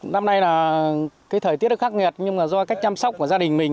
năm nay là cái thời tiết nó khắc nghiệt nhưng mà do cách chăm sóc của gia đình mình